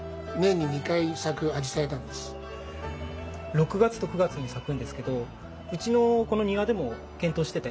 ６月と９月に咲くんですけどうちのこの庭でも検討してて。